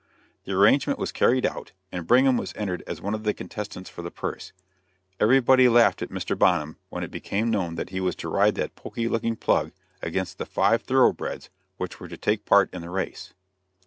The arrangement was carried out, and Brigham was entered as one of the contestants for the purse. Everybody laughed at Mr. Bonham when it became known that he was to ride that poky looking plug against the five thoroughbreds which were to take part in the race.